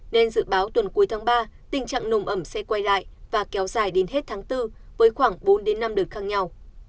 nên dự báo tuần cuối tháng ba tình trạng nồm ẩm sẽ quay lại và kéo dài đến hết tháng bốn với khoảng bốn năm đợt khác nhau